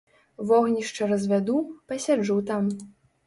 Вогнішча развяду, пасяджу там.